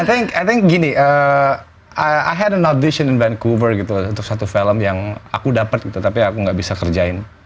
i think gini i had an audition in vancouver gitu untuk satu film yang aku dapet gitu tapi aku gak bisa kerjain